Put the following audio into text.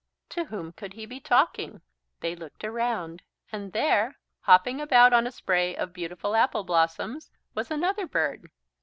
To whom could he be talking? They looked around. And there, hopping about on a spray of beautiful apple blossoms, was another bird.